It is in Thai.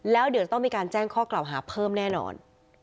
แล้วเดี๋ยวต้องมีการแจ้งข้อกล่าวหาเพิ่มแน่นอน